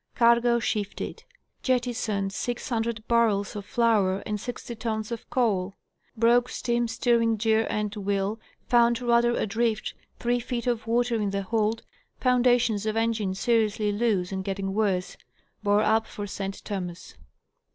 Cargo shifted ; jettisoned 600 barrels of. flour and 60 tons of coal. Broke steam steering gear and wheel, found rudder adrift, 3 feet of water in the hold, foundations of engines seriously loose and getting worse. Bore up for St. Thomas."